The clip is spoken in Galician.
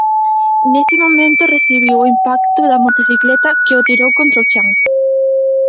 Nese momento recibiu o impacto da motocicleta que o tirou contra o chan.